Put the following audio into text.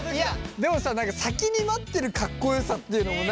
でもさ何か先に待ってるかっこよさっていうのもない？